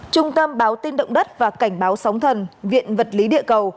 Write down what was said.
trung tâm báo tin động đất và cảnh báo sóng thần viện vật lý địa cầu